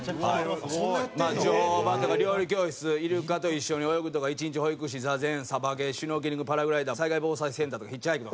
乗馬とか料理教室イルカと一緒に泳ぐとか一日保育士座禅サバゲーシュノーケリングパラグライダー災害防災センターとかヒッチハイク。